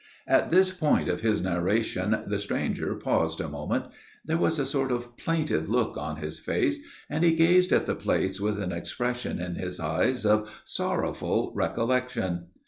At this point of his narration the stranger paused a moment. There was a sort of plaintive look on his face, and he gazed at the plates with an expression in his eyes of sorrowful recollection.